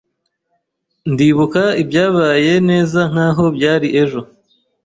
Ndibuka ibyabaye neza nkaho byari ejo.